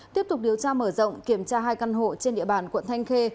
tiếp tục điều tra mở rộng kiểm tra hai căn hộ trên địa bàn quận thanh khê